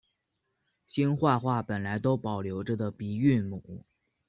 兴化话本来都保留着的鼻韵母。